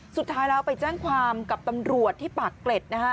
สุดท้ายแล้วไปแจ้งความกับตำรวจที่ปากเกร็ดนะฮะ